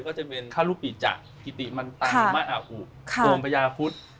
ก็จะเป็นคารุปิจักษ์กิติมันตังมะอาบอุองค์พระยาพุทธ